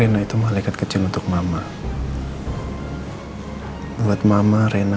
saya sudah terlalu banyak